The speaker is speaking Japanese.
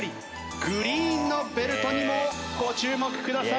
グリーンのベルトにもご注目ください。